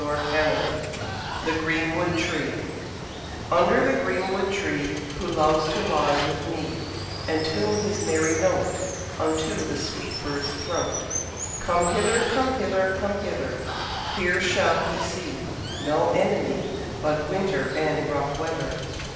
Roberts THE GREENWOOD TREE Under the greenwood tree Who loves to lie with me, And tune his merry note Unto the sweet bird's throat, Come hither, come hither, come hither; Here shall he see No enemy But winter and rough weather.